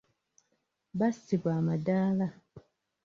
Bassibwa amadaala.